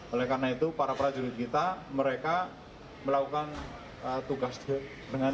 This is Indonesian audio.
oleh karena itu para prajurit kita mereka melakukan tugas dengan rule of engagement